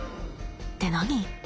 って何？